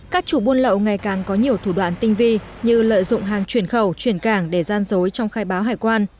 các chủ buôn lậu ngày càng có nhiều thủ đoạn tinh vi như lợi dụng hàng chuyển khẩu chuyển cảng để gian dối trong khai báo hải quan